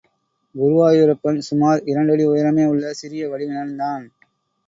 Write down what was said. குருவாயூரப்பன் சுமார் இரண்டடி உயரமே உள்ள சிறிய வடிவினன் தான்.